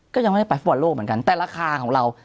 ก็ยังไม่ได้ไปฟุตบอลโลกเหมือนกันแต่ราคาของเรา